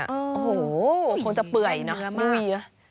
โอ้โหคงจะเปื่อยนะ